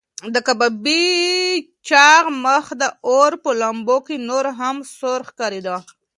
د کبابي چاغ مخ د اور په لمبو کې نور هم سور ښکارېده.